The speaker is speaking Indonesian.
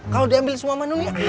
kalo diambil semua manunya